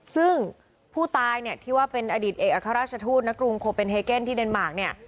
ซึ่งผู้ตายเนี่ยที่ว่าเป็นอดีตเอกอัครราชทูตณกรุงโคเป็นเฮเกนที่เดนมาร์คเนี่ย